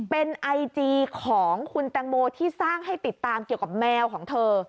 เป็นไอจีของคุณแตงโมที่สร้างให้ติดตามเกี่ยวกับแมวของเธอ